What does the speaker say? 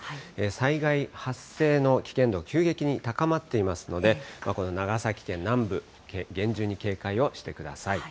災害発生の危険度、急激に高まっていますので、この長崎県南部、厳重に警戒をしてください。